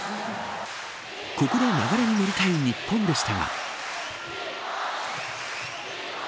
ここで流れに乗りたい日本でしたが。